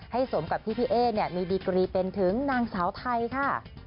สมกับที่พี่เอ๊มีดีกรีเป็นถึงนางสาวไทยค่ะ